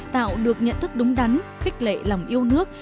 tạo được nhận thức đúng đắn khích lệ lòng yêu nước